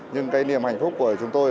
nhưng cái niềm hạnh phúc của chúng tôi